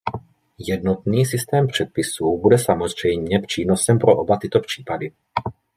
Jednotný systém předpisů bude samozřejmě přínosem pro oba tyto případy.